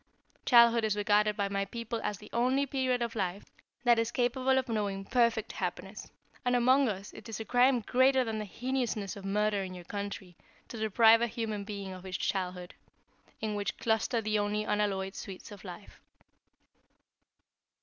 Childhood is regarded by my people as the only period of life that is capable of knowing perfect happiness, and among us it is a crime greater than the heinousness of murder in your country, to deprive a human being of its childhood in which cluster the only unalloyed sweets of life.